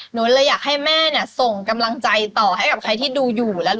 หนูเลยอยากให้แม่เนี่ยส่งกำลังใจต่อให้กับใครที่ดูอยู่